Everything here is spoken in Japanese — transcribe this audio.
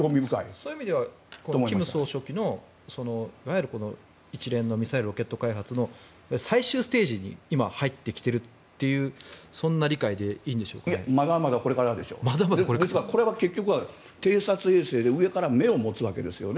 そういう意味では金総書記の一連のミサイルロケット開発の最終ステージに今、入ってきているというまだまだこれからでしょうですからこれは結局は偵察衛星で上から目を持つわけですよね。